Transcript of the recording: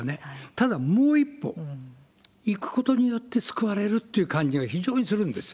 ただ、もう一歩行くことによって救われるっていう感じが非常にするんです。